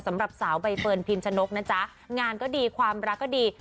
สำหรับสาวใบเฟิร์นพิมชนกนะจ๊ะงานก็ดีความรักก็ดี